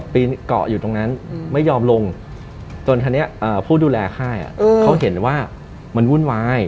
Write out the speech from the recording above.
ปีนเกาะอยู่ตรงนั้นไม่ยอมลงจนคราวนี้ผู้ดูแลค่ายเขาเห็นว่ามันวุ่นวาย